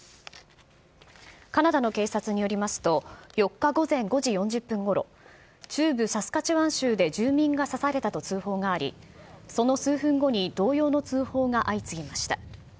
カナダの警察によりますと、４日午前５時４０分ごろ、中部サスカチワン州で住民が刺されたと通報があり、その数分後に、同様の通報が相次ぎました。